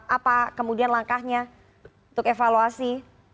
apa kemudian langkahnya untuk evaluasi